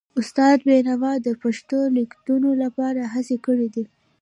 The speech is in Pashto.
استاد بینوا د پښتو لیکدود لپاره هڅې کړې دي.